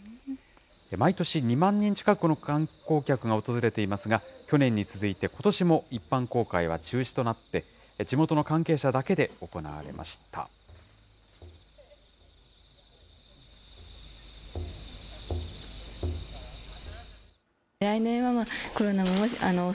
毎年、２万人近くの観光客が訪れていますが、去年に続いてことしも一般公開は中止となって、地元の関係者だけで行われました。